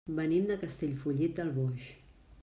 Venim de Castellfollit del Boix.